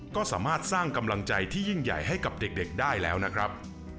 ก็สามารถสร้างกำลังใจที่ยิ่งใหญ่ให้กับเด็กได้แล้วนะครับ